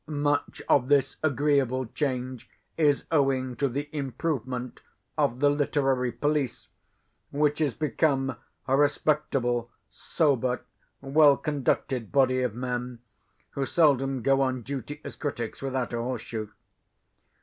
Much of this agreeable change is owing to the improvement of the literary police, which is become a respectable, sober, well conducted body of men, who seldom go on duty as critics, without a horse shoe.